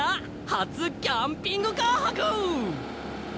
初キャンピングカー泊！